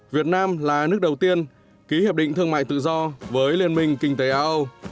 việt nam là nước đầu tiên ký hiệp định thương mại tự do với liên minh kinh tế a âu